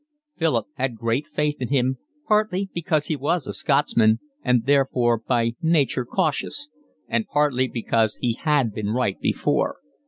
Philip had great faith in him, partly because he was a Scotsman and therefore by nature cautious, and partly because he had been right before.